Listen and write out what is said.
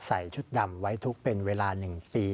ใส่ชุดดำไว้ทุกข์เป็นเวลา๑ปี